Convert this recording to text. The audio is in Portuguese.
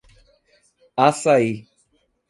Assaí